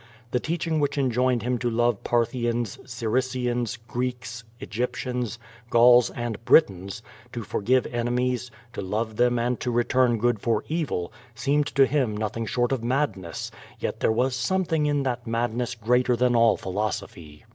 The teaching which enjoined him to love Parthians, Syricians, Greeks, p]gyptians, Gauls, and Britons, to forgive enemies, to love them and to return good for evil, seemed to him nothing short of madness, yet there was something in that madness greater than all philosophy.